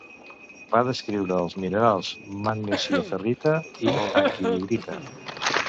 Va descriure els minerals, magnesioferrita i taquihidrita.